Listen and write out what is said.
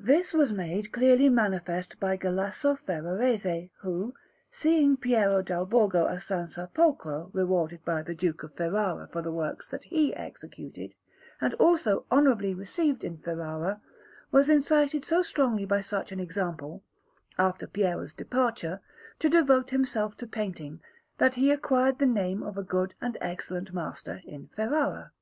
This was made clearly manifest by Galasso Ferrarese, who, seeing Piero dal Borgo a San Sepolcro rewarded by the Duke of Ferrara for the works that he executed, and also honourably received in Ferrara, was incited so strongly by such an example, after Piero's departure, to devote himself to painting, that he acquired the name of a good and excellent master in Ferrara.